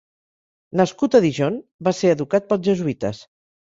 Nascut a Dijon, va ser educat pels jesuïtes.